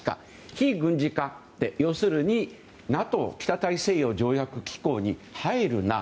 非軍事化って要するにＮＡＴＯ・北大西洋条約機構に入るな。